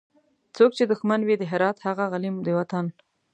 څوک چي دښمن وي د هرات هغه غلیم د وطن